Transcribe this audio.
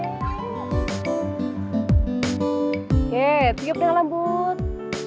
oke tiap dengan lembut